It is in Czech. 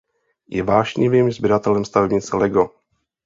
Je vášnivým sběratelem stavebnice Lego.